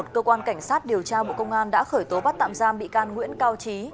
cơ quan cảnh sát điều tra bộ công an đã khởi tố bắt tạm giam bị can nguyễn cao trí